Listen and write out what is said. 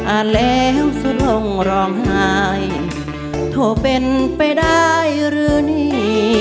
อ่านแล้วสุดลงร้องไห้โทรเป็นไปได้หรือนี่